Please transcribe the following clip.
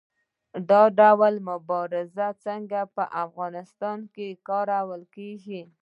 دا ډول مبارزه څنګه په افغانستان کې کارول کیږي؟